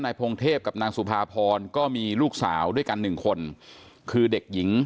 พงเทพกับนางสุภาพรก็มีลูกสาวด้วยกันหนึ่งคนคือเด็กหญิง